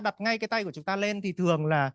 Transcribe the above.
đặt ngay cái tay của chúng ta lên thì thường là